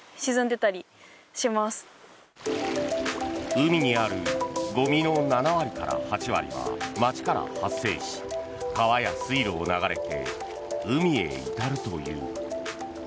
海にあるゴミの７割から８割は街から発生し川や水路を流れて海へ至るという。